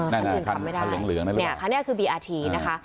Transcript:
แน่นอนคันเหลืองเหลืองน่ะเนี่ยคันนี้คือบีอาร์ทีนะคะ